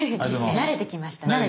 慣れてきました。